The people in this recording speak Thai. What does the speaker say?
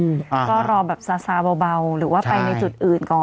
ก็รอแบบซาซาเบาหรือว่าไปในจุดอื่นก่อน